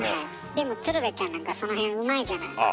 でも鶴瓶ちゃんなんかその辺うまいじゃない。